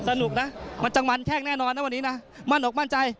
สนุกนะมันจังมันแช่งแน่นอนนะวันนี้นะมั่นอกมั่นใจ